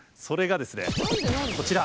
それがですね何で？